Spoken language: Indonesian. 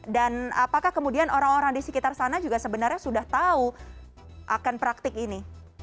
dan apakah kemudian orang orang di sekitar sana juga sebenarnya sudah tahu akan praktik ini